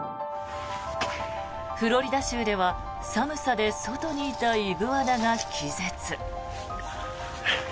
フロリダ州では寒さで外にいたイグアナが気絶。